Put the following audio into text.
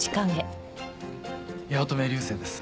八乙女流星です